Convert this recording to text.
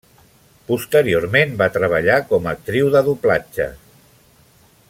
Posteriorment, va treballar com a actriu de doblatge.